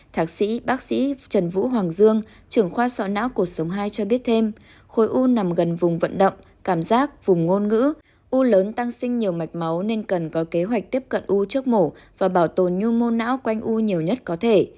thạc sĩ bác sĩ trần vũ hoàng dương trưởng khoa sọ não cuộc sống hai cho biết thêm khối u nằm gần vùng vận động cảm giác vùng ngôn ngữ u lớn tăng sinh nhiều mạch máu nên cần có kế hoạch tiếp cận u trước mổ và bảo tồn nhu mô não quanh u nhiều nhất có thể